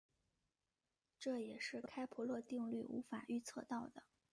这也是开普勒定律无法预测到的。